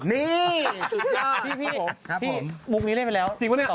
พี่มุกนี้เล่นไปแล้วศิลปะเนี่ย